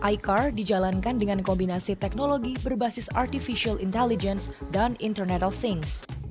icar dijalankan dengan kombinasi teknologi berbasis artificial intelligence dan internet of things